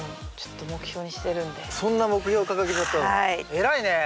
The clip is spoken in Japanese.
偉いね。